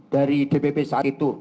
dari dpp saat itu